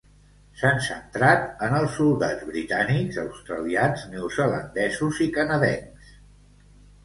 S'han centrat en els soldats britànics, australians, neozelandesos i canadencs.